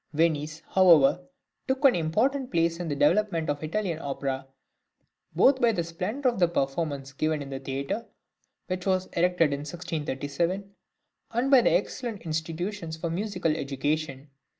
Venice, however, took an important place in the development of Italian opera, both by the splendour of the performances given in the theatre, which was erected in 1637, and by excellent institutions for musical education.